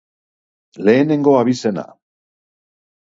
Lehenengo abizena.